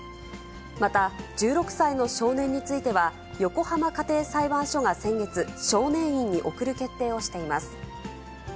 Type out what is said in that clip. また、１６歳の少年については、横浜家庭裁判所が先月、少年院に送る決定をしています。